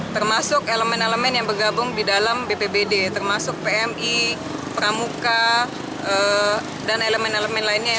termasuk elemen elemen yang bergabung di dalam bpbd termasuk pmi pramuka dan elemen elemen lainnya